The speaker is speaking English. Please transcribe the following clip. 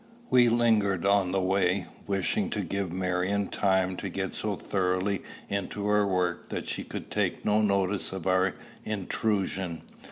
We lingered on the way, wishing to give Marion time to get so thoroughly into her work that she could take no notice of our intrusion.